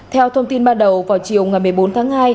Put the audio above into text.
theo thông tin ban đầu vào chiều ngày một mươi bốn tháng hai